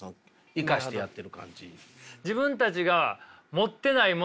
生かしてやってる感じ。